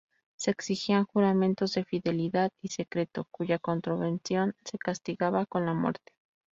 Se exigían juramentos de fidelidad y secreto, cuya contravención se castigaba con la muerte.